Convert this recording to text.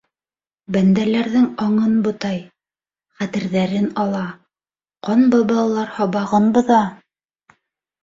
Бәндәләрҙең аңын бутай... хәтерҙәрен ала... ҡанбабалар һабағын боҙа!..